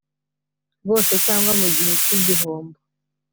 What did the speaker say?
rwose cyangwa mu gihe cy igihombo